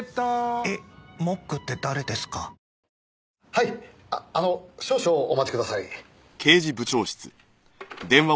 はいあの少々お待ちください。